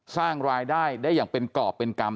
สร้างรายได้ได้อย่างเป็นกรอบเป็นกรรม